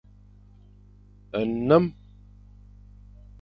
Nnem.